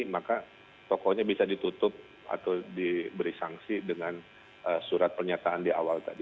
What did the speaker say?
maka tokonya bisa ditutup atau diberi sanksi dengan surat pernyataan di awal tadi